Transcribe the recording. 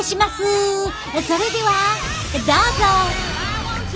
それではどうぞ！